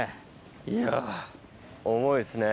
いや重いですね。